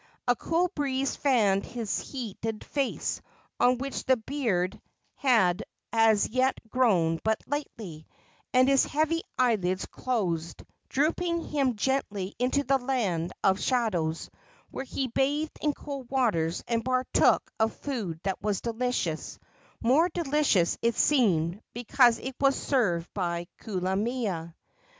A cool breeze fanned his heated face, on which the beard had as yet grown but lightly, and his heavy eyelids closed, dropping him gently into the land of shadows, where he bathed in cool waters and partook of food that was delicious more delicious, it seemed, because it was served by Kulamea.